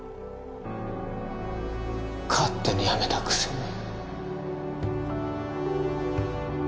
勝手にやめたくせに